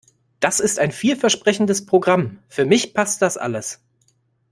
Das ist ein vielversprechendes Programm. Für mich passt das alles.